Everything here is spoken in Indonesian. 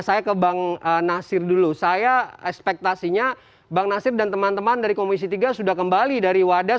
saya ke bang nasir dulu saya ekspektasinya bang nasir dan teman teman dari komisi tiga sudah kembali dari wadas